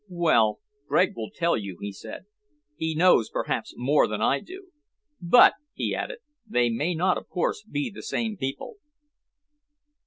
"Well, Gregg will tell you," he said. "He knows, perhaps, more than I do. But," he added, "they may not, of course, be the same people."